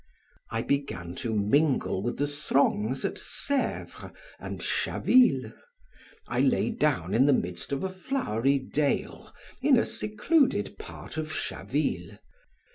I began to mingle with the throngs at Sevres and Chaville; I lay down in the midst of a flowery dale, in a secluded part of Chaville.